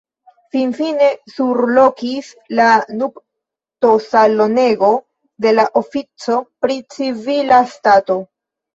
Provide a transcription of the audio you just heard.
Finfine surlokis la nuptosalonego de la ofico pri civila stato.